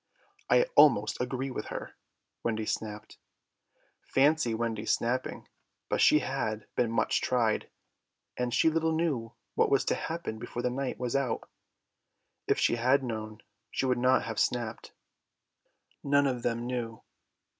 "I almost agree with her," Wendy snapped. Fancy Wendy snapping! But she had been much tried, and she little knew what was to happen before the night was out. If she had known she would not have snapped. None of them knew.